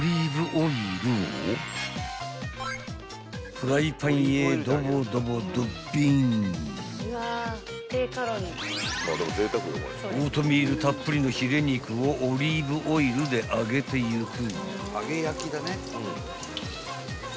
［オートミールたっぷりのヒレ肉をオリーブオイルで揚げていく］